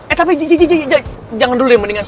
eh tapi jangan dulu deh mendingan